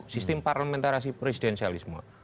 sistem parlamentarisasi presidensialisme